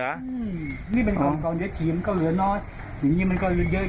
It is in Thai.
อืมนี่เป็นของเดี๋ยวฉีกมันก็เหลือนอด